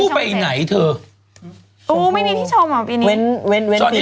ช่องปู่ไปไหนเธออู้วไม่มีพี่ชมเหรอปีนี้